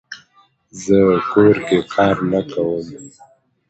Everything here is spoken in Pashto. زه کور کې کار نه کووم